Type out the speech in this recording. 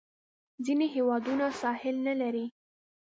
ځینې هیوادونه ساحل نه لري.